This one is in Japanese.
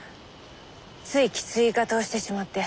ついきつい言い方をしてしまって。